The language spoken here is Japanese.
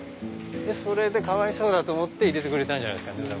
それでかわいそうだと思って入れてくれたんじゃないですかね。